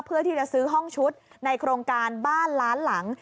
เพื่อที่จะซื้อห้องชุดในโครงการบ้านล้านหลัง